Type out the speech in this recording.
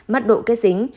mất độ kết dính